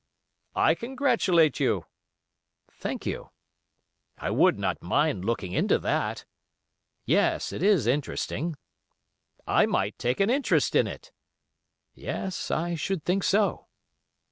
"I congratulate you." "Thank you." "I would not mind looking into that." "Yes, it is interesting." "I might take an interest in it." "Yes, I should think so."